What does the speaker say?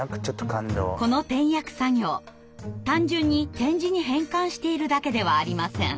この点訳作業単純に点字に変換しているだけではありません。